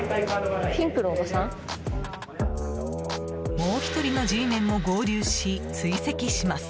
もう１人のＧメンも合流し追跡します。